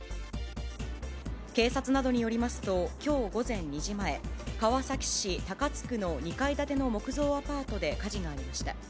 警察などによりますと、きょう午前２時前、川崎市高津区の２階建ての木造アパートで火事がありました。